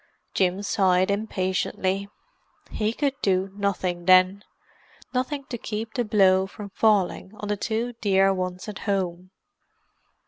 Jim sighed impatiently. He could do nothing, then, nothing to keep the blow from falling on the two dear ones at home.